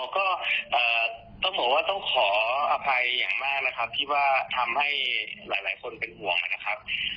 ก็ต้องบอกว่าต้องขออภัยอย่างมากนะครับที่ว่าทำให้หลายคนเป็นห่วงนะครับ